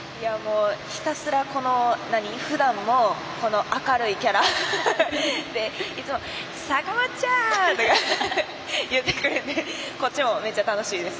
ひたすらふだんも明るいキャラでいつも、さかもっちゃん！とか言ってくるのでこっちもめっちゃ楽しいです。